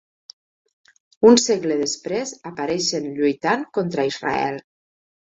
Un segle després apareixen lluitant contra Israel.